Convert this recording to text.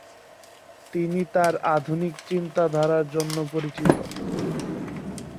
তিনি তার আধুনিক চিন্তাধারার জন্য পরিচিত।